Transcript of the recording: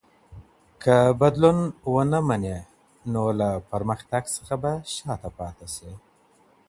که بدلون ونه منې نو له پرمختګ څخه به شاته پاته سې.